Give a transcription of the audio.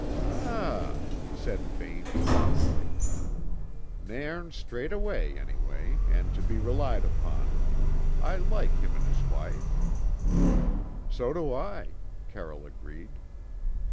"Ah!" said Vane thoughtfully. "Nairn's straight, anyway, and to be relied upon. I like him and his wife." "So do I," Carroll agreed.